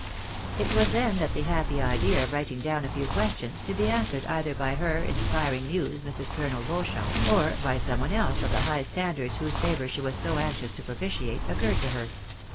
It was then that the happy idea of writing down a few questions, to be answered either by her in spiring muse, Mrs. Colonel Beauchamp, or by some one else of the high standers whose favour she was so anxious to propitiate, occurred to her.